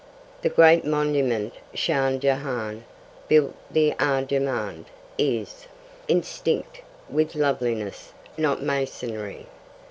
The great monument Shah Jahan built for Arjamand is Instinct with loveliness not masonry!